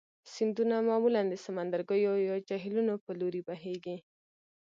سیندونه معمولا د سمندرګیو یا جهیلونو په لوري بهیږي.